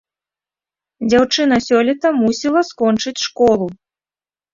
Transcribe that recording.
Дзяўчына сёлета мусіла скончыць школу.